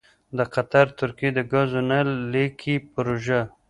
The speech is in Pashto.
دقطر ترکیې دګازو نل لیکې پروژه: